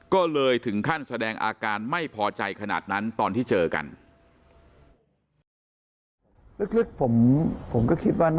ก็เลยถึงขั้นแสดงอาการไม่พอใจขนาดนั้นตอนที่เจอกัน